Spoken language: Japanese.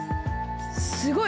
すごい！